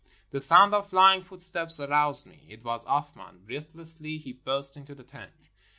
The sound of flying footsteps aroused me. It was Athman. Breathlessly he burst into the tent.